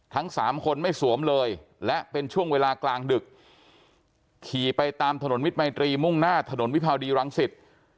ทั้งสามคนไม่สวมเลยและเป็นช่วงเวลากลางดึกขี่ไปตามถนนมิตรมัยตรีมุ่งหน้าถนนวิภาวดีรังสิต